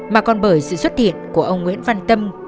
mà còn bởi sự xuất hiện của ông nguyễn văn tâm